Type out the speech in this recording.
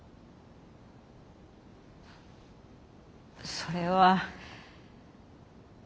それは。